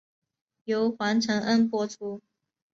由黄承恩播出。